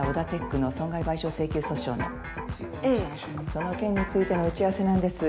その件についての打ち合わせなんです。